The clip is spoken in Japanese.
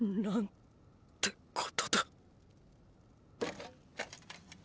なんってことだ。